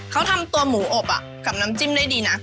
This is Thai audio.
เขาทำตัวหมูอบกับน้ำจิ้มได้ดีนะ